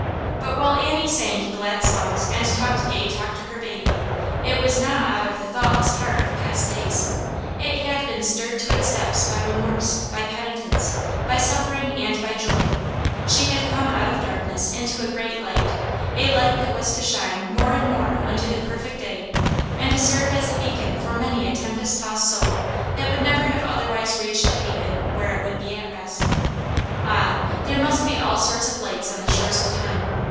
But while Annie sang glad songs and talked gay talk to her baby, it was not out of the thoughtless heart of past days. It had been stirred to its depths by remorse, by penitence, by suffering and by joy. She had come out of darkness into a great light ; a light that was to shine more and more unto the per fect day, and to serve as a beacon for many a tem pest tossed soul that would never have otherwise reached the haven where it would be at rest. Ah, there must be all sorts of lights on the shores of time